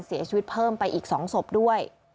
เสียชีวิตเพิ่มไปอีก๒ศพด้วย